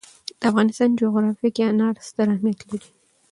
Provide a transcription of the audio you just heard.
د افغانستان جغرافیه کې انار ستر اهمیت لري.